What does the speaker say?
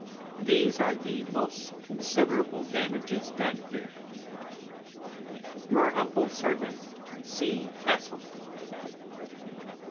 These are the most considerable Damages done here, Your humble Servant, C. Castleman.